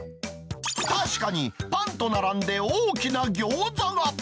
確かにパンと並んで大きな餃子が。